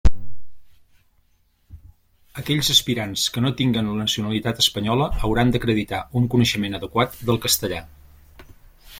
Aquells aspirants que no tinguen la nacionalitat espanyola hauran d'acreditar un coneixement adequat del castellà.